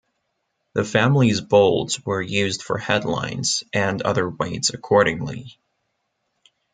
The family's bolds were used for headlines, and other weights accordingly.